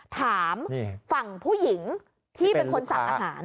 ถามฝั่งผู้หญิงที่เป็นคนสั่งอาหาร